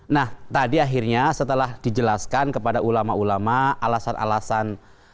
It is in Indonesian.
nah tadi akhirnya setelah dijelaskan kepada ulama ulama alasan alasan